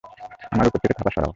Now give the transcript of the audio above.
আমার উপর থেকে থাবা সরাও!